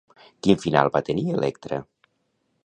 Quin final va tenir Electra?